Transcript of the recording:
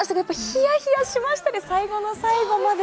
ひやひやしましたね、最後の最後まで。